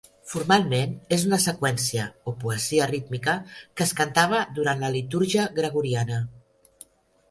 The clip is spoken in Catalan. Formalment és una seqüència, o poesia rítmica, que es cantava durant la litúrgia gregoriana.